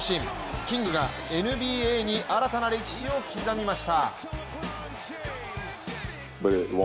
キングが、ＮＢＡに新たな歴史を刻みました。